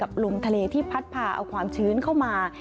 มาเจอกับลุงทะเลที่พัดผ่าเอาความชื้นเข้ามา